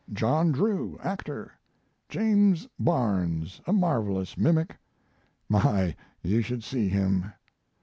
John Drew, actor; James Barnes, a marvelous mimic; my, you should see him!